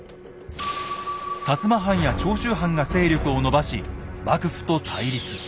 摩藩や長州藩が勢力を伸ばし幕府と対立。